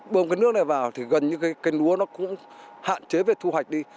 bơm cái nước này vào thì gần như cái núa nó cũng hạn chế về thu hoạch đi